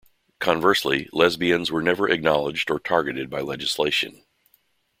Conversely, lesbians were never acknowledged or targeted by legislation.